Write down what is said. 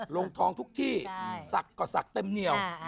ลงทองทุกที่ศักดิ์ก็ศักดิ์เต็มเหนียว